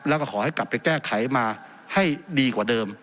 แล้วก็ขอให้กลับไปแก้ไขมาให้ดีกว่าเดิม